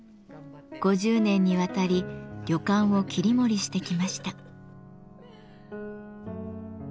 ５０年にわたり旅館を切り盛りしてきました。